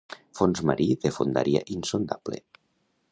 Fons marí de fondària insondable.